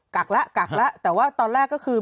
กักละกักละแต่ว่าตอนแรกก็คือ